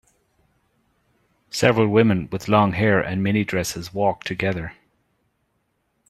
Several women with long hair and minidresses walk together.